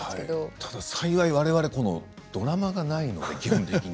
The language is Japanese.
ただ幸いわれわれドラマがないので基本的に。